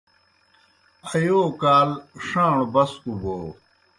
ایو کال ݜاݨوْ بسکوْ بو۔